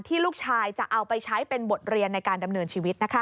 ลูกชายจะเอาไปใช้เป็นบทเรียนในการดำเนินชีวิตนะคะ